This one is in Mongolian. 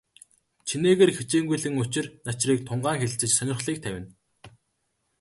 Чинээгээр хичээнгүйлэн учир начрыг тунгаан хэлэлцэж, сонирхлыг тавина.